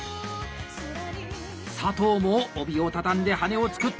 佐藤も帯を畳んで羽根を作った！